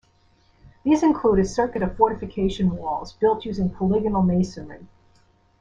These include a circuit of fortification walls built using polygonal masonry.